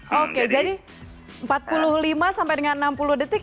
oke jadi empat puluh lima sampai dengan enam puluh detik